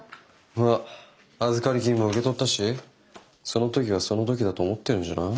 まあ預かり金も受け取ったしその時はその時だと思ってるんじゃない？